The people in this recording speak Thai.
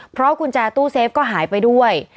เพราะกุญแจตู้เซฟก็หายไปด้วย